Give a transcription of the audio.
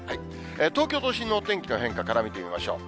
東京都心のお天気の変化から見てみましょう。